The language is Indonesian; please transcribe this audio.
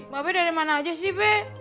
mbak be dari mana aja sih be